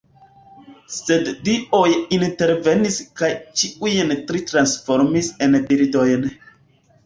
Sed dioj intervenis kaj ĉiujn tri transformis en birdojn.